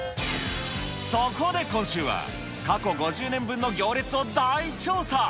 そこで今週は、過去５０年分の行列を大調査。